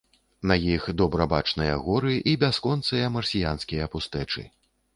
На іх добра бачныя горы і бясконцыя марсіянскія пустэчы.